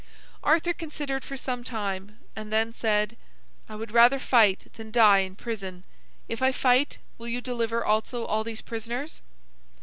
Arthur considered for some time, and then said: "I would rather fight than die in prison. If I fight, will you deliver also all these prisoners?"